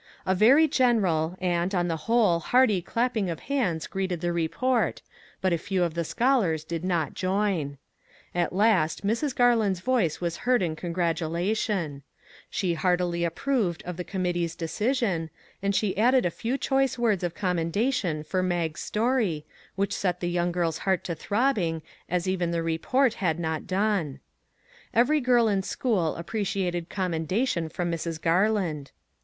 A very general, and, on the whole hearty clapping of hands greeted the report, but a few of the scholars did not join. At last Mrs. Gar land's voice was heard in congratulation. She 377 MAG AND MARGARET heartily approved of the committee's decision, and she added a few choice words of com mendation for Mag's story, which set the young girl's heart to throbbing as even the re port had not done. Every girl in school ap preciated commendation from Mrs. Garland.